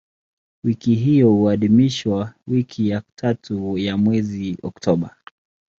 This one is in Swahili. Wiki hiyo huadhimishwa wiki ya tatu ya mwezi Oktoba.